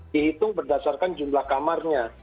dihitung berdasarkan jumlah kamarnya